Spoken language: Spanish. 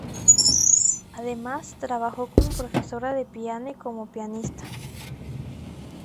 Además, trabajó como profesora de piano y como pianista.